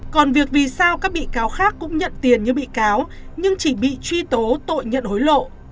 còn việc vì sao các bị cáo khác cũng nhận tiền như bị cáo nhưng chỉ bị truy tố tội nhận hối lộ